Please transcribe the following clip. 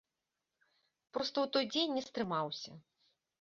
Проста ў той дзень не стрымаўся.